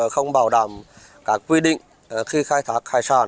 không bảo đảm các quy định khi khai thác hải sản